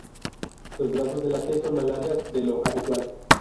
Los brazos de la T son más largas de lo habitual.